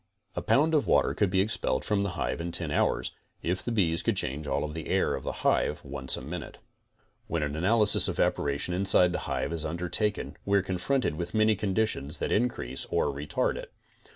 A pound of water could be expelled from the hive in 10 hours if the bees could change all the air of the' hive once a rainute. When an analysis of the evaporation inside the hive is under taken we are confronted with many conditions that increase or retard it.